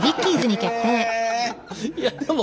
いやでも。